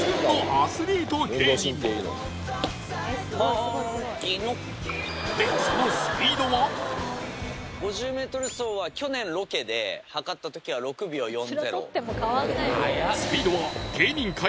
アスリート芸人まーきのっで５０ｍ走は去年ロケで測った時は６秒４０